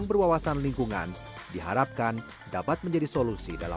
pemerintah kota lubuk linggau juga mempunyai segenap potensi baik wisata investasi maupun pendidikan